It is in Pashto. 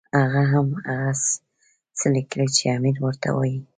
هغه هم هغه څه لیکي چې امیر ورته وایي.